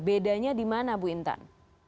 bedanya di mana bu intan